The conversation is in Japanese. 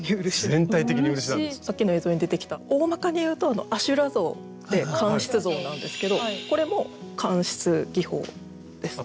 さっきの映像に出てきたおおまかに言うと阿修羅像って乾漆像なんですけどこれも乾漆技法ですね。